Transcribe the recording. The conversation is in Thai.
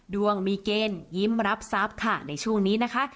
ดวงมีเกณฑ์ยิ้มรับทรัพย์ค่ะในช่วงนี้นะคะ